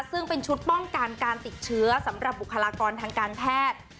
ซึ่งเป็นชุดป้องกันการติดเชื้อสำหรับบุคลากรทางการแพทย์